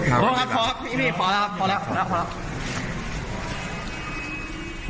พอครับพอครับพอแล้วครับพอแล้วพอแล้วพอแล้วพอแล้ว